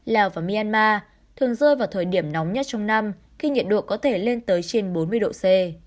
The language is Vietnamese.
lào và myanmar thường rơi vào thời điểm nóng nhất trong năm khi nhiệt độ có thể lên tới trên bốn mươi độ c